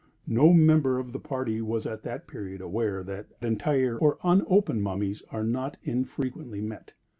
No member of the party was at that period aware that entire or unopened mummies are not infrequently met.